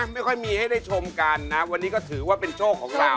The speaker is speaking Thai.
ไม่ค่อยมีให้ได้ชมกันนะวันนี้ก็ถือว่าเป็นโชคของเรา